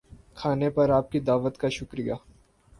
کھانے پر آپ کی دعوت کا شکریہ